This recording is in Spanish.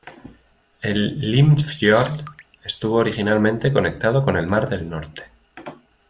El Limfjord estuvo originalmente conectado con el mar del Norte.